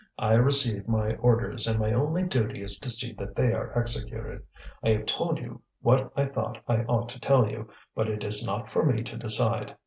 I receive my orders, and my only duty is to see that they are executed. I have told you what I thought I ought to tell you, but it is not for me to decide.